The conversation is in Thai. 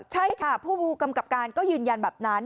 ใช่ค่ะผู้กำกับการก็ยืนยันแบบนั้น